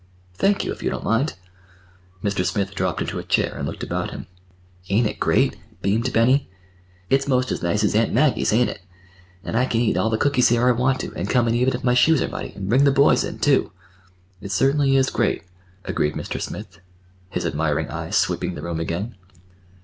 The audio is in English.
"Thank you, if you don't mind." Mr. Smith dropped into a chair and looked about him. "Ain't it great?" beamed Benny. "It's 'most as nice as Aunt Maggie's, ain't it? And I can eat all the cookies here I want to, and come in even if my shoes are muddy, and bring the boys in, too." "It certainly is—great," agreed Mr. Smith, his admiring eyes sweeping the room again.